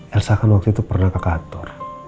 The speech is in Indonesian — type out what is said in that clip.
elsa kan waktu itu pernah ke kantor